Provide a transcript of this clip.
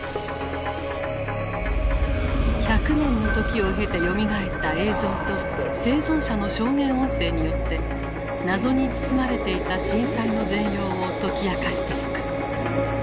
１００年の時を経てよみがえった映像と生存者の証言音声によって謎に包まれていた震災の全容を解き明かしていく。